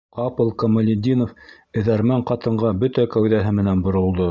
Ҡапыл Камалетдинов эҙәрмән ҡатынға бөтә кәүҙәһе менән боролдо.